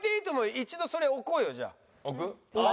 一度それ置こうよじゃあ。